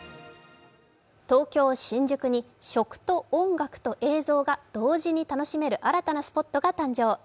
東京・新宿に食と音楽と映像が同時に楽しめる新たなスポットが誕生。